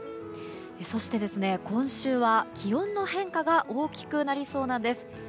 そして、今週は気温の変化が大きくなりそうなんです。